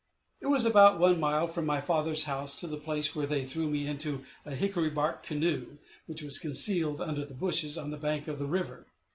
It was about one mile from my father's house to the place where they threw me into a hickory bark canoe, which was concealed under the bushes, on the bank of the river.